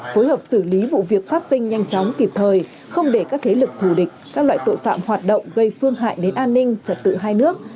phối hợp xử lý vụ việc phát sinh nhanh chóng kịp thời không để các thế lực thù địch các loại tội phạm hoạt động gây phương hại đến an ninh trật tự hai nước